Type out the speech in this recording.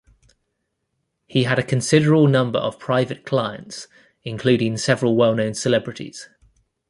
He had a considerable number of private clients including several well-known celebrities.